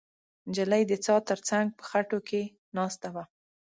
نجلۍ د څا تر څنګ په خټو کې ناسته وه.